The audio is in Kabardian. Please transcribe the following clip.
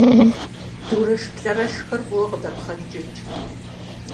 ДурэшплӀэрэшхэр фӏыуэ къыдэпхъэнкӏыкӏ.